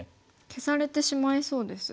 消されてしまいそうです。